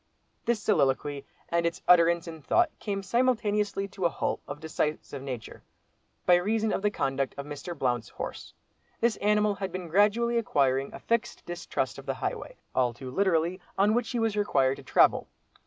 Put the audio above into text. This soliloquy, and its utterance in thought came simultaneously to a halt of a decisive nature, by reason of the conduct of Mr. Blount's horse. This animal had been gradually acquiring a fixed distrust of the highway—all too literally—on which he was required to travel.